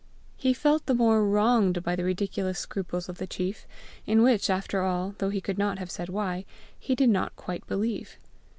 He felt the more wronged by the ridiculous scruples of the chief in which after all, though he could not have said why, he did not quite believe.